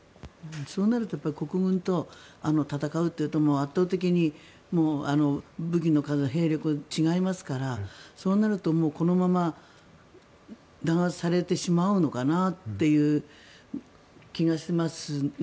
そうなると国軍と戦うというと圧倒的に武器の数、兵力が違いますからそうなるとこのまま弾圧されてしまうのかなっていう気がしますね。